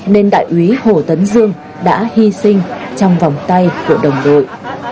nên đại úy hồ tấn dương đã hy sinh trong vòng tay của đồng đội